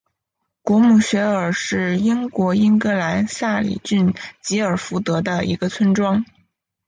果姆雪尔是英国英格兰萨里郡吉尔福德的一个村庄。